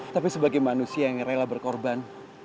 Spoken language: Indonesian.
tapi sebagai manusia yang rela berkorban